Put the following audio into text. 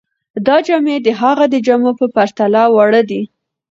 دا جامې د هغه د جامو په پرتله واړه دي.